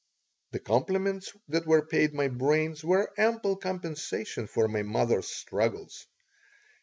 The compliments that were paid my brains were ample compensation for my mother's struggles.